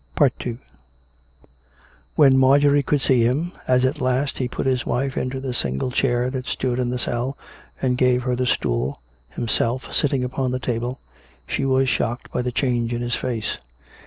II When Marjorie could see him, as at last he put his wife into the single chair that stood in the cell and gave her the stool; himself sitting upon the table, she was shocked by the change in his face.